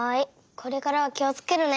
これからはきをつけるね。